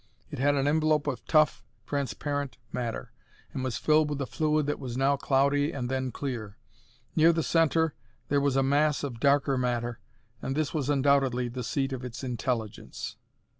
It had an envelope of tough, transparent matter, and was filled with a fluid that was now cloudy and then clear. Near the center there was a mass of darker matter, and this was undoubtedly the seat of its intelligence.